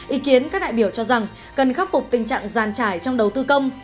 ý kiến các đại biểu cho rằng cần khắc phục tình trạng giàn trải trong đầu tư công